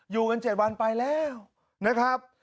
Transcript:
อยู่กัน๗วันไปแล้วนะครับ